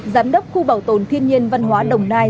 giám đốc khu bảo tồn thiên nhiên văn hóa đồng nai